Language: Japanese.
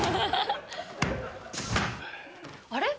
あれ？